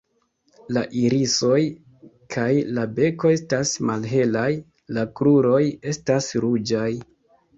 La irisoj kaj la beko estas malhelaj; la kruroj estas ruĝaj.